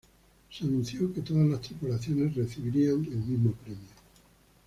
Se anunció que todas las tripulaciones recibirían el mismo premio.